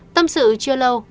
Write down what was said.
tâm sự chưa lâu